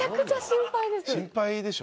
心配でしょ。